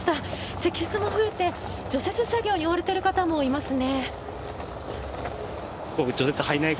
積雪も増えて除雪作業に追われている方もいますね。